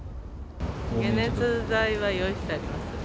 解熱剤は用意してあります。